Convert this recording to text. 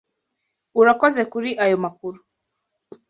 Urakoze kuri ayo makuru.